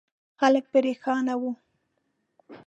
خلک پرېشان وو.